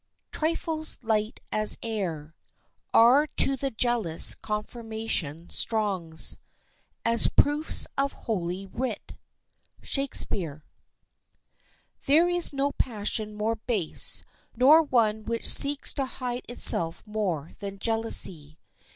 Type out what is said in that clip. ] "Trifles light as air, Are to the jealous confirmation strong As proofs of holy writ." —SHAKESPEARE. There is no passion more base, nor one which seeks to hide itself more than jealousy.